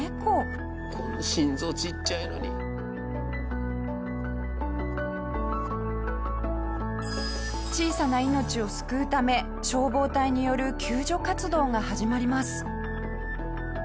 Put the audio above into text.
下平：小さな命を救うため消防隊による救助活動が始まります。